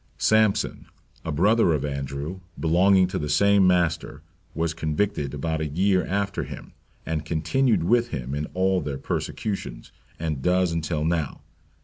Sampson, a brother of Andrew, belonging to the same master, was converted about a year after him, and continued with him in all their persecutions, and does until now.